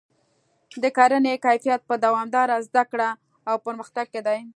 د کرنې کیفیت په دوامداره زده کړه او پرمختګ کې دی.